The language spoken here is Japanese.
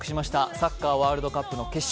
サッカー・ワールドカップの決勝